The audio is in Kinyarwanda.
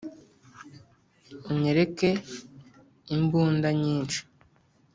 unyereke imbunda nyinshi,